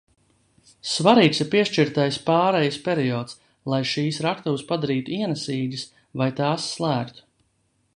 Svarīgs ir piešķirtais pārejas periods, lai šīs raktuves padarītu ienesīgas vai tās slēgtu.